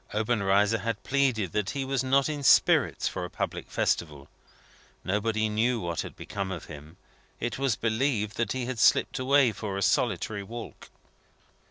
Obenreizer had pleaded that he was not in spirits for a public festival. Nobody knew what had become of him. It was believed that he had slipped away for a solitary walk.